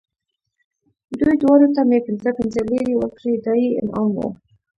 دوی دواړو ته مې پنځه پنځه لېرې ورکړې، دا یې انعام و.